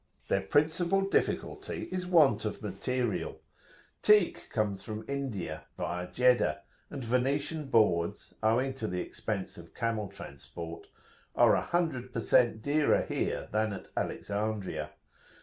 Their principal difficulty [p.178]is the want of material. Teak comes from India[FN#26] via Jeddah, and Venetian boards, owing to the expense of camel transport, are a hundred per cent. dearer here than at Alexandria.